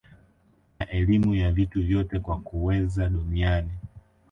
na elimu ya vitu vyote kwa kuweza duniani